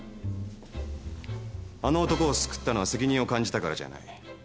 あの男を救ったのは責任を感じたからじゃない。